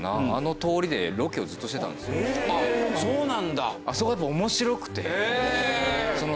あっそうなんだ。